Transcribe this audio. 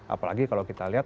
apalagi kalau kita lihat